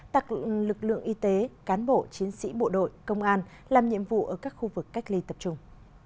tặng lực lượng y tế cán bộ chiến sĩ bộ đội công an làm nhiệm vụ ở các khu vực cách ly tập trung